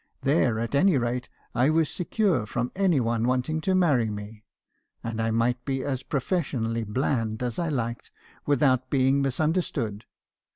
There , at any rate , I was secure from any one wanting to marry me ; and I might be as professionally bland as I liked, without being misunderstood.